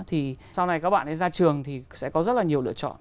thì sau này các bạn ấy ra trường thì sẽ có rất là nhiều lựa chọn